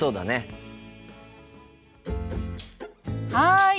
はい。